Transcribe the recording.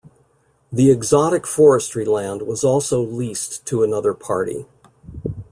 The exotic forestry land was also leased to another party.